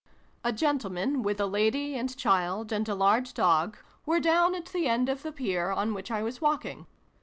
A gentleman, with a lady, and child, and a large dog, were down at the end of a pier on which I was walking.